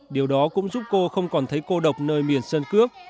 điều đó cũng giúp cô không còn thấy cô độc nơi miền sơn cước